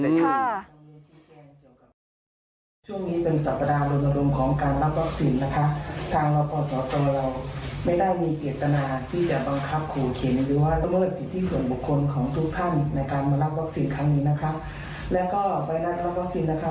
ช่วงนี้เป็นสัปดาห์โรงพยาบาลของการรับวัคซีนนะคะ